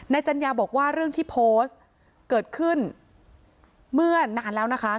จัญญาบอกว่าเรื่องที่โพสต์เกิดขึ้นเมื่อนานแล้วนะคะ